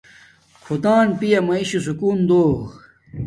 خدان پیامایݵشو سکون دو